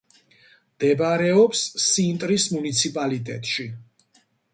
მდებარეობს სინტრის მუნიციპალიტეტში.